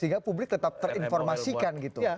sehingga publik tetap terinformasikan gitu